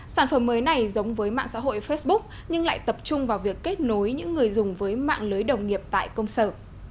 sản phẩm mới này giống với mạng xã hội facebook nhưng lại tập trung vào việc kết nối những người dùng với mạng lưới đồng nghiệp tại công sở